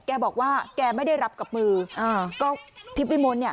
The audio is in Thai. แกบอกว่าแกไม่ได้รับกับมืออ่าก็ทิพย์วิมลเนี่ย